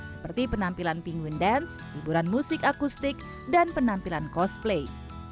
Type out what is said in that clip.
seperti penampilan penguin dance hiburan musik akustik dan penampilan cosplay